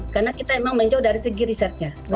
karena kita memang menjauh dari segi risetnya